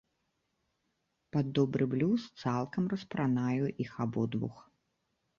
Пад добры блюз цалкам распранаю іх абодвух.